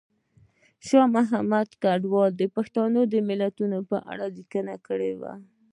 شاه محمود کډوال د پښتو متلونو په اړه لیکنه کړې ده